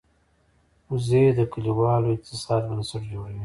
وزې د کلیوالو اقتصاد بنسټ جوړوي